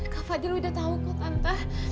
kak fadil udah tahu kok entah